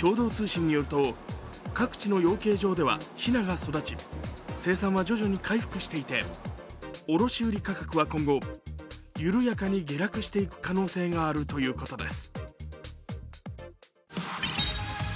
共同通信によると各地の養鶏場ではひなが育ち、生産は徐々に回復していて卸売価格は今後緩やかに下落していく可能性があるということです。